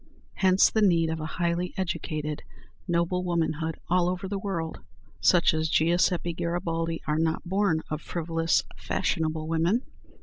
Hence the need of a highly educated, noble womanhood all over the world. Such as Giuseppe Garibaldi are not born of frivolous, fashionable women.